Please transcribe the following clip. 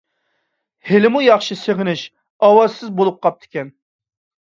ھېلىمۇ ياخشى سېغىنىش ئاۋازسىز بولۇپ قاپتىكەن.